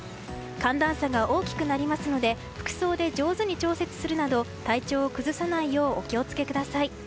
寒暖差が大きくなりますので服装で上手に調節するなど体調を崩さないようお気を付けください。